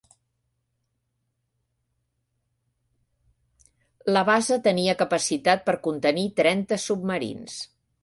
La base tenia capacitat per contenir trenta submarins.